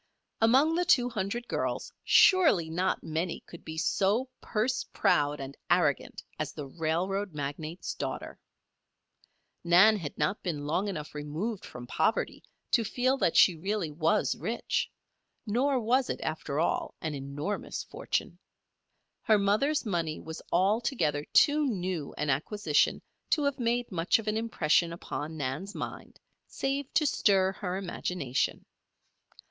Among the two hundred girls, surely not many could be so purse proud and arrogant as the railroad magnate's daughter. Nan had not been long enough removed from poverty to feel that she really was rich, nor was it, after all, an enormous fortune. Her mother's money was altogether too new an acquisition to have made much of an impression upon Nan's mind, save to stir her imagination.